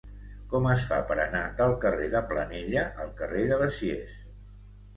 Com es fa per anar del carrer de Planella al carrer de Besiers?